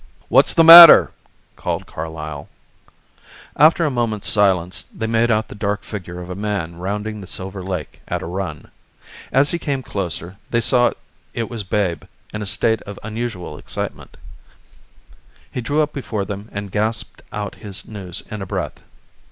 "What's the matter?" called Carlyle. After a moment's silence they made out the dark figure of a man rounding the silver lake at a run. As he came closer they saw it was Babe in a state of unusual excitement. He drew up before them and gasped out his news in a breath.